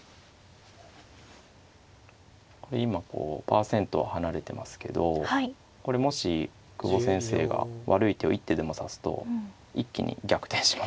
これ今こうパーセント離れてますけどこれもし久保先生が悪い手を一手でも指すと一気に逆転しますからね。